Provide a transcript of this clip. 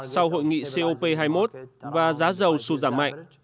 sau hội nghị cop hai mươi một và giá dầu sụt giảm mạnh